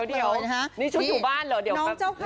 เดี๋ยวนี่ชุดอยู่บ้านเหรอเดี๋ยวยังไงเนี่ย